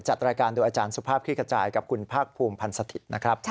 จัดรายการโดยอาจารย์สุภาพคลิกระจายกับคุณภาคภูมิพันธ์สถิตย์นะครับ